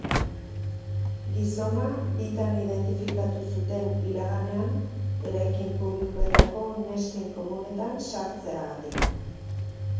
Gizona bitan identifikatu zuten iraganean eraikin publikoetako nesken komunetan sartzeagatik.